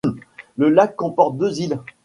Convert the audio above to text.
Le lac comporte deux îles.